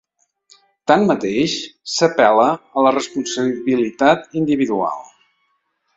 Tanmateix, s’apel·la a la responsabilitat individual.